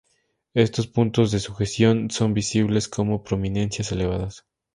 Estos puntos de sujeción son visibles como prominencias elevadas.